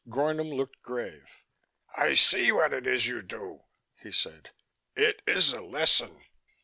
Gornom looked grave. "I see what it is you do," he said. "It is a lesson.